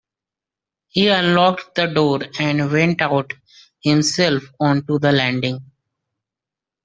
He unlocked the door and went out himself on to the landing.